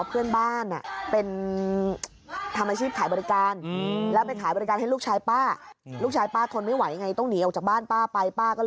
เอาต้นหินสายไปไหนป้า